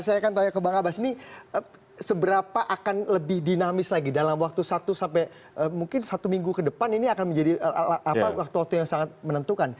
saya akan tanya ke bang abbas ini seberapa akan lebih dinamis lagi dalam waktu satu sampai mungkin satu minggu ke depan ini akan menjadi waktu waktu yang sangat menentukan